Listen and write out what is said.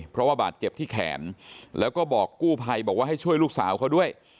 เพราะว่าบาดเจ็บที่แขนแล้วก็บอกกู้ภัยบอกว่าให้ช่วยลูกสาวเขาด้วย